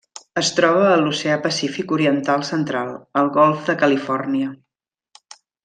Es troba a l'Oceà Pacífic oriental central: el Golf de Califòrnia.